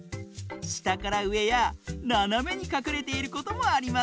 したからうえやななめにかくれていることもありますよ！